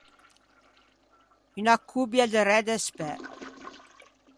Unna cobbia de re de spæ.